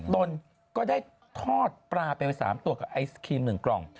ตนก็ได้ทอดปลาไป๓ตัวกับไอศครีม๑กล่อง